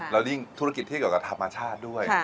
แล้วนี่ธุรกิจที่ก็ทำมาชาติด้วย